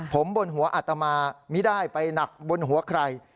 ผมบนหัวอัตมาไม่ได้ไปหนักบนหัวใคร